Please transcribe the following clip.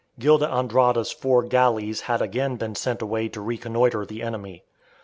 Gil d'Andrada's four galleys had again been sent away to reconnoitre the enemy.